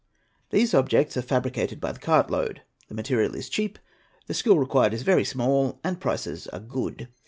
These objects are fabricated by the cart load. The material is cheap, the skill required is very small, and prices are good.